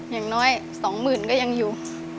อย่างน้อยสองหมื่นก็ยังอยู่